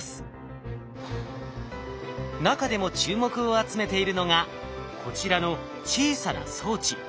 中でも注目を集めているのがこちらの小さな装置。